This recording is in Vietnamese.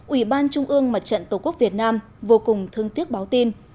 ủy ban trung ương mặt trận tổ quốc việt nam vô cùng thương tiếc báo tin